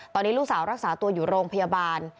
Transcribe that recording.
ตอนนี้ลูกสาวรักษาตัวอยู่โรงพยาบาล